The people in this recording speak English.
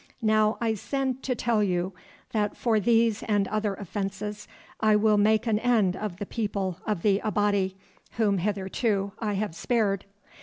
Now I send to tell you that for these and other offences I will make an end of the people of the Abati, whom hitherto I have spared.